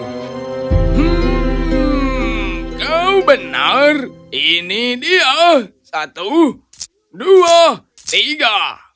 hmm kau benar ini dia satu dua tiga